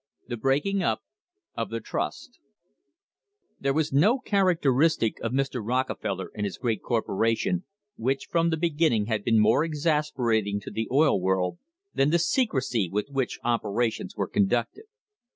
r* "^ HERE was no characteristic of Mr. Rockefeller and his great corporation which from the beginning had J been more exasperating to the oil world than the se crecy with which operations were conducted.